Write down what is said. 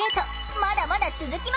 まだまだ続きます！